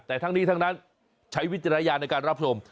แต่ทั้งนี้ทั้งนั้นใช้วิจารณญาณในการรับชม